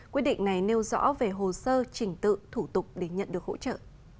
quyết định này nêu rõ về hồ sơ trình tự thủ tục để nhận được hỗ trợ